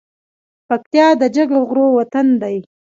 پکتیا د جګو غرو وطن ده .